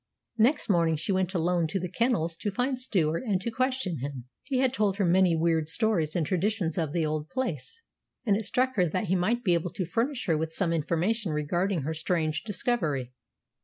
Next morning she went alone to the kennels to find Stewart and to question him. He had told her many weird stories and traditions of the old place, and it struck her that he might be able to furnish her with some information regarding her strange discovery.